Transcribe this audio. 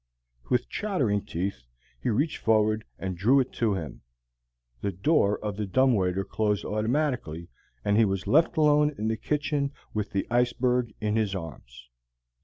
With chattering teeth, he reached forward and drew it to him. The door of the dumb waiter closed automatically, and he was left alone in the kitchen with the iceberg in his arms.